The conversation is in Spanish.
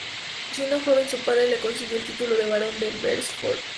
Siendo joven, su padre le consiguió el título de barón de Beresford.